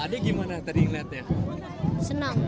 adi gimana tadi ngeliatnya